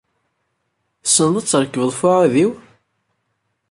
Tessneḍ ad trekbeḍ ɣef uɛudiw?